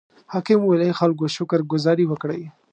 حاکم وویل: ای خلکو شکر ګذاري وکړئ.